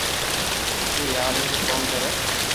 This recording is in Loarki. تو يار ايم ڪون ڪري